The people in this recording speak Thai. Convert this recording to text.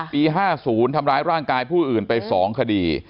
ปี๕๐ทำร้ายร่างกายผู้อื่นไป๒คดี